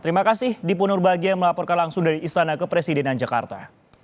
terima kasih dipu nurbagi yang melaporkan langsung dari istana kepresidenan jakarta